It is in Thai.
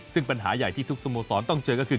ซึ่งปัญหาใหญ่ที่ทุกสโมสรต้องเจอก็คือ